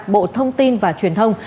bộ thông tin và truyền thông